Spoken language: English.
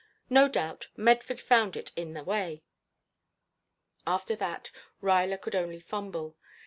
No doubt, Medford found it in the way. After that Ruyler could only fumble.